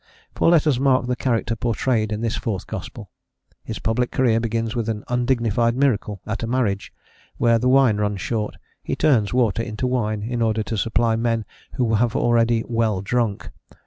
For let us mark the character pourtrayed in this fourth gospel. His public career begins with an undignified miracle: at a marriage, where the wine runs short, he turns water into wine, in order to supply men who have already "well drunk" (ch.